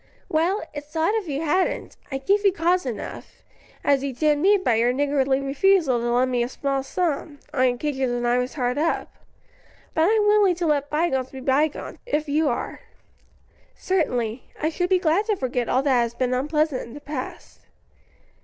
"Well, it's odd if you hadn't; I gave you cause enough, as you did me by your niggardly refusal to lend me a small sum, on occasions when I was hard up. But I'm willing to let by gones be by gones, if you are." "Certainly; I should be glad to forget all that has been unpleasant in the past."